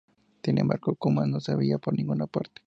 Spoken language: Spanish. Sin embargo, Kuma no se veía por ninguna parte.